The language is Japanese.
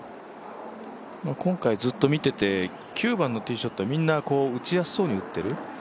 今回ずっと見てて、９番のティーショットはみんな打ちやすそうに打ってる。